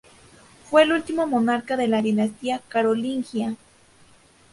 Fue el último monarca de la dinastía carolingia.